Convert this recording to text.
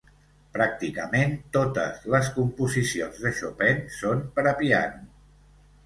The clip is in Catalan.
Pràcticament totes les composicions de Chopin són per a piano.